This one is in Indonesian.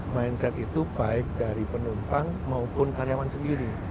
mindset itu baik dari penumpang maupun karyawan sendiri